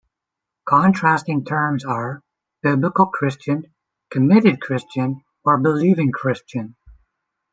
Contrasting terms are "biblical Christian", "committed Christian", or "believing Christian".